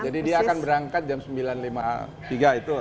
dia akan berangkat jam sembilan lima puluh tiga itu